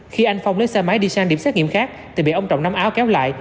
khi anh phong lấy xe máy đi sang điểm xét nghiệm khác thì bị ông trọng nắm áo kéo lại